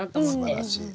すばらしい。